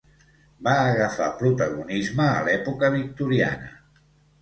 Va agafar protagonisme a l"època victoriana.